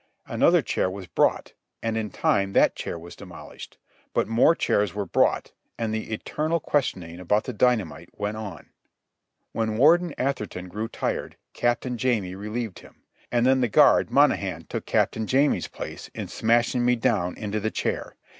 Another chair was brought, and in time that chair was demolished. But more chairs were brought, and the eternal questioning about the dynamite went on. When Warden Atherton grew tired, Captain Jamie relieved him; and then the guard Monohan took Captain Jamie's place in smashing me down into the chair.